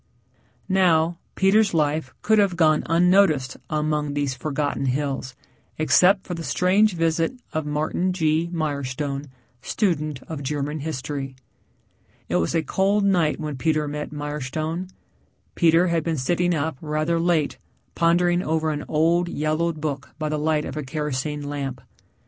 Now, Peter's life could have gone on unnoticed among these forgotten hills, except for the strange visit of Martin G. Mirestone, student of German history. It was a cold night when Peter met Mirestone. Peter had been sitting up rather late pondering over an old, yellowed book by the light of a kerosene lamp.